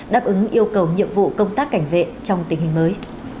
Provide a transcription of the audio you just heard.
đáp ứng yêu cầu nhiệm vụ công tác cảnh vệ trong tình hình mới